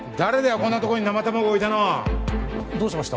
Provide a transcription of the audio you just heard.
こんなとこに生卵どうしました？